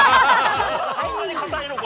そんなに硬いのか？